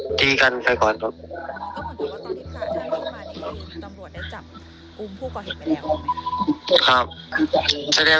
ตอนที่ซาราได้เข้ามานี่ตำรวจได้จับอุ้มผู้ก่อเหตุไปแล้ว